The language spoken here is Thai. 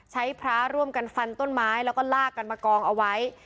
ใช้พระร่วมกันฟันต้นไม้แล้วก็ลากกันมากองเอาไว้